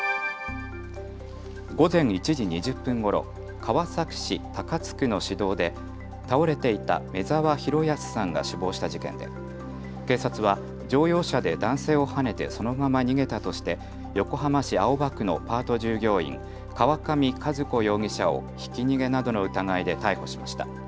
午前１時２０分ごろ、川崎市高津区の市道で倒れていた目澤弘康さんが死亡した事件で警察は乗用車で男性をはねてそのまま逃げたとして横浜市青葉区のパート従業員、川上和子容疑者をひき逃げなどの疑いで逮捕しました。